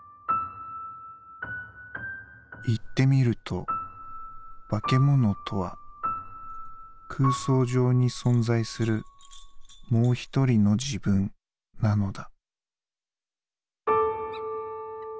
「言ってみると化け物とは空想上に存在する『もう一人の自分』なのだ」。